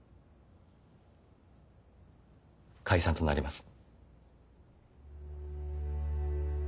解散となります。